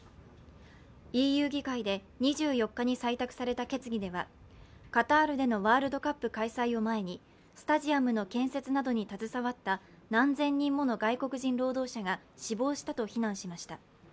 ＥＵ議会で、２４日に採択された決議では、カタールでのワールドカップ開催を前にスタジアムの建設などに携わった何千人もの外国人労働者が死亡したと非難しました。